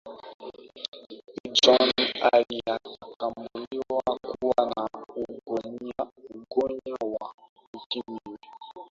hudson aliatambuliwa kuwa na ugonjwa wa ukimwi